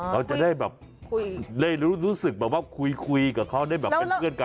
เราจะได้แบบได้รู้สึกแบบว่าคุยกับเขาได้แบบเป็นเพื่อนกัน